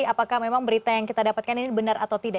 apakah memang berita yang kita dapatkan ini benar atau tidak